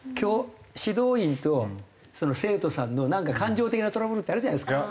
指導員と生徒さんの感情的なトラブルってあるじゃないですか。